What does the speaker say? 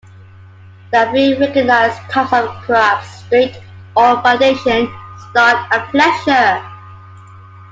There are three recognized types of Quarabs: Straight or Foundation, Stock and Pleasure.